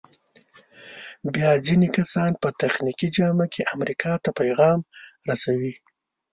بیا ځینې کسان په تخنیکي جامه کې امریکا ته پیغام رسوي.